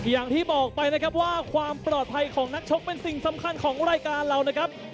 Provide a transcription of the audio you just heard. อย่างที่บอกไปนะครับว่าความปลอดภัยของนักชกเป็นสิ่งสำคัญของรายการเรานะครับ